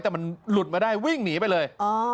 แต่มันหลุดมาได้วิ่งหนีไปเลย